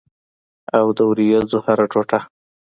او د اوریځو هره ټوټه